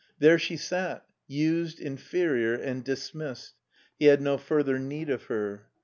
There she sat — ^used, inferior, and dismissed, he had no further need of her.